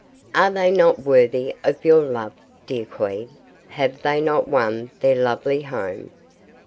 "Are they not worthy of your love, dear Queen? Have they not won their lovely home?